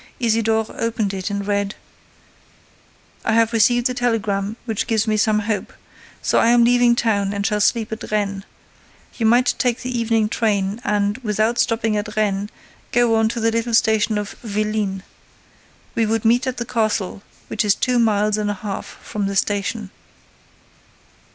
Isidore opened it and read: I have received a telegram which gives me some hope. So I am leaving town and shall sleep at Rennes. You might take the evening train and, without stopping at Rennes, go on to the little station of Vélines. We would meet at the castle, which is two miles and a half from the station.